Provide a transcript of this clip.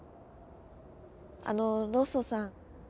あのロッソさん。